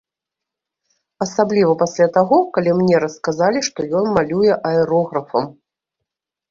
Асабліва пасля таго, калі мне расказалі, што ён малюе аэрографам.